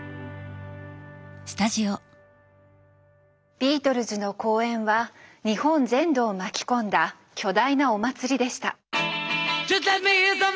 ビートルズの公演は日本全土を巻き込んだ巨大なお祭りでした。